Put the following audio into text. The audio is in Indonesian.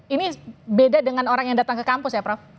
ini beda dengan orang yang datang ke kampus ya prof